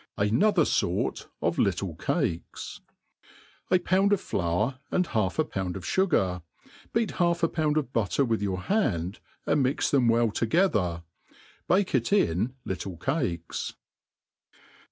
•< jtmther Sort of little Cakes. A POUND of flour, and half a pound of fugar ; beat half a pound of butter with your hand, and mix them well toge ther. Bake it in little cakes.